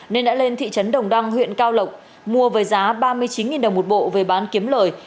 nên đã lên thị trấn đồng đăng huyện cao lộc mua với giá ba mươi chín đồng một bộ về bán kiếm lời